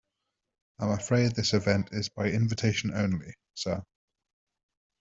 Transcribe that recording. I'm afraid this event is by invitation only, sir.